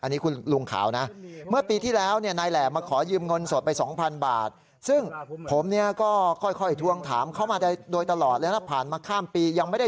นู้นนู้นเดี๋ยวดูนะเขาจะเดินออกมา